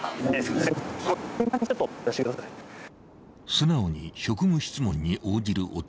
［素直に職務質問に応じる男］